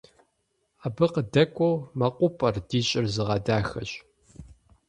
Абы къыдэкӀуэу мэкъупӀэр ди щӀыр зыгъэдахэщ.